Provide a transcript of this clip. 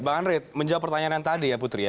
pak anrit menjawab pertanyaan yang tadi ya putri ya